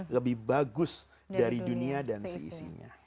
lebih bagus dari dunia dan seisinya